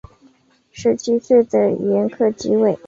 十七岁的元恪即位。